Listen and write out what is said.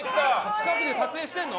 近くで撮影してるの？